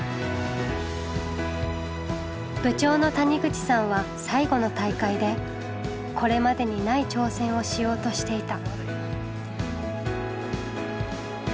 部長の谷口さんは最後の大会でこれまでにない挑戦をしようとしていた。